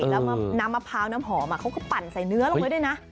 แล้วน้ำมะพร้าวน้ำหอมเขาก็ปั่นใส่เนื้อลงไว้ด้วยนะ